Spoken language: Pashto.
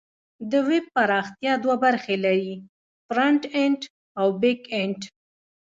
د ویب پراختیا دوه برخې لري: فرنټ اینډ او بیک اینډ.